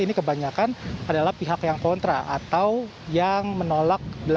ini kebanyakan adalah pihak yang kontra atau yang menolak